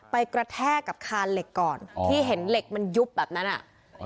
กระแทกกับคานเหล็กก่อนที่เห็นเหล็กมันยุบแบบนั้นอ่ะ